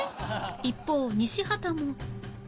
一方西畑も